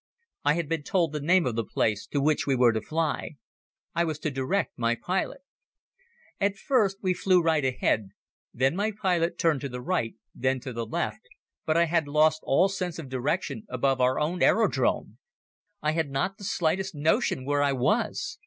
I had been told the name of the place to which we were to fly. I was to direct my pilot. At first we flew right ahead, then my pilot turned to the right, then to the left, but I had lost all sense of direction above our own aerodrome. I had not the slightest notion where I was!